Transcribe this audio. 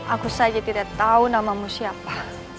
aku saja tidak tahu namamu siapa